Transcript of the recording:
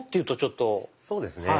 そうですね。